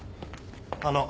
あの。